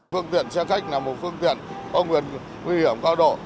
phương tiện xe khách là một phương tiện công việc nguy hiểm cao độ